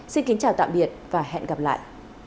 xin kính chào tạm biệt và hẹn gặp lại